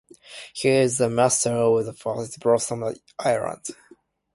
He is the master of Peach Blossom Island.